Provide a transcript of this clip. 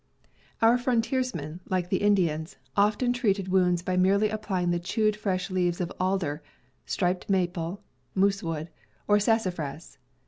Our frontiersmen, like the Indians, often treated wounds by merely applying the chewed fresh leaves of alder, striped maple (moosewood), or sassafras.